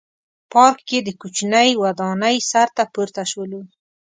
پارک کې د کوچنۍ ودانۍ سر ته پورته شولو.